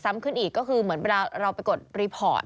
ขึ้นอีกก็คือเหมือนเวลาเราไปกดรีพอร์ต